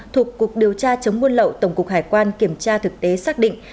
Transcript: thuộc cục điều tra chống buôn lậu tổng cục hải quan kiểm tra thực tế xác định